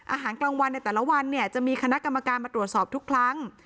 อาหารกลางวันในแต่ละวันเนี่ยจะมีคณะกรรมการมาตรวจสอบทุกครั้ง